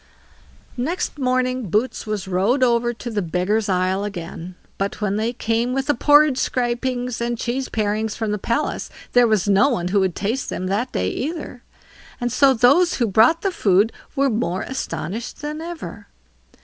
Next morning Boots was rowed over to the Beggars' isle again; but when they came with the porridge scrapings and cheese parings from the palace, there was no one who would taste them that day either, and so those who brought the food were more astonished than ever.